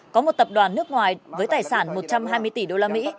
có một tập đoàn nước ngoài với tài sản một trăm hai mươi tỷ usd